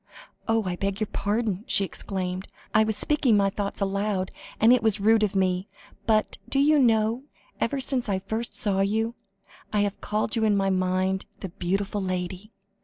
"Oh! I beg your pardon," she exclaimed; "I was speaking my thoughts aloud, and it was rude of me. But, do you know, ever since I first saw you, I have called you in my mind 'the beautiful lady.'